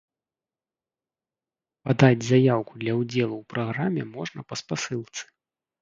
Падаць заяўку для ўдзелу ў праграме можна па спасылцы.